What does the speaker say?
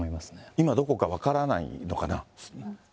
今、どこか分からないのかな？